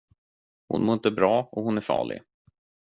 Hon mår inte bra och hon är farlig.